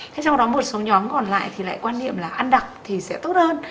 thế trong đó một số nhóm còn lại thì lại quan niệm là ăn đặc thì sẽ tốt hơn